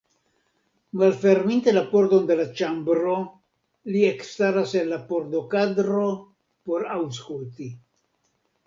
Malferminte la pordon de la ĉambro, li ekstaras en la pordokadro por aŭskulti.